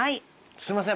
すいません。